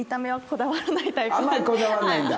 あんまりこだわらないんだ。